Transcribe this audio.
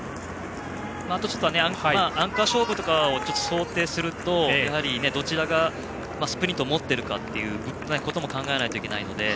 あとアンカー勝負とかを想定するとどちらがスプリントを持っているかということも考えないといけないので。